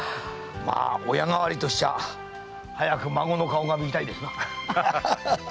まあ親代わりとしちゃあ早く孫の顔が見たいですな。